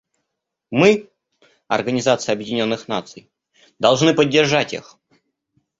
Мы, Организация Объединенных Наций, должны поддержать их.